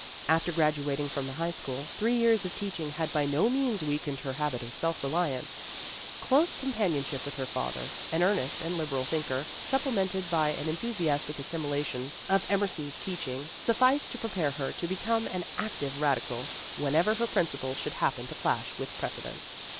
After gradu ating from the high school, three years of teaching had by no means weakened her habit of self reliance. Close companion ship with her father, an earnest and liberal thinker, supplemented by an en thusiastic assimilation of Emerson's teach ings, sufficed to prepare her to become an active radical, whenever her principles should happen to clash with precedent.